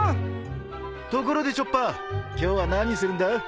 ところでチョッパー今日は何するんだ？